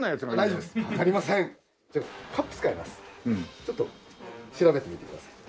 ちょっと調べてみてください。